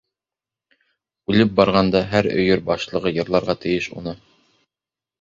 Үлеп барғанда һәр өйөр башлығы йырларға тейеш уны.